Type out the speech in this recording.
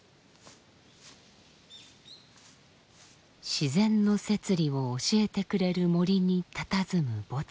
自然の摂理を教えてくれる森にたたずむ墓地。